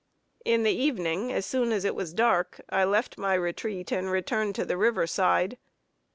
In the evening, as soon as it was dark, I left my retreat, and returned to the river side.